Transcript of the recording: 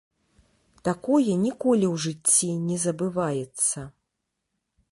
Такое ніколі ў жыцці не забываецца!